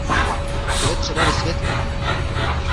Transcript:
To je třeba vysvětlit.